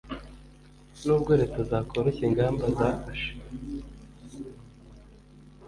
nubwo leta zakoroshya ingamba zafashe